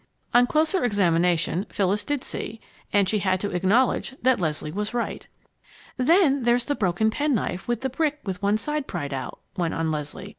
On closer examination, Phyllis did see. And she had to acknowledge that Leslie was right. "Then there's the broken penknife and the brick with one side pried out," went on Leslie.